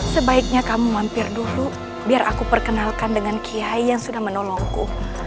sebaiknya kamu mampir dulu biar aku perkenalkan dengan kiai yang sudah menolongku